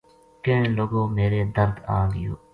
کہن لگو میرے درد آ گیو